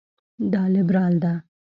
دا لېبرال ده.